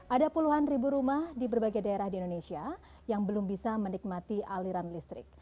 ada puluhan ribu rumah di berbagai daerah di indonesia yang belum bisa menikmati aliran listrik